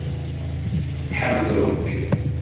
Ḥmed Rebbi.